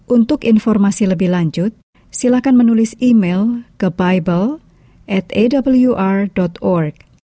untuk informasi lebih lanjut silakan menulis email ke bible atawr org